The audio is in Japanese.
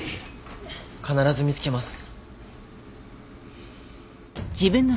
必ず見つけます。